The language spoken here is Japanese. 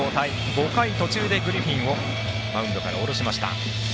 ５回途中でグリフィンをマウンドから降ろしました。